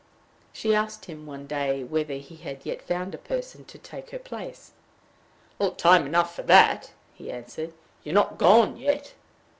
She asked him one day whether he had yet found a person to take her place. "Time enough for that," he answered. "You're not gone yet."